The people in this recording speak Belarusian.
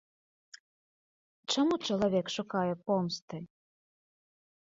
Чаму чалавек шукае помсты?